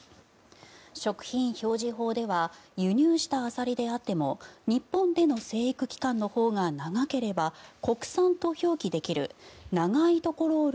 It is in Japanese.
食品表示法では輸入したアサリであっても日本での生育期間のほうが長ければ国産と表記できる長いところ